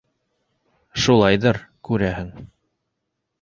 Шулайҙыр, күрәһең.